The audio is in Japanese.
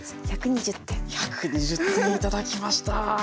１２０点頂きました！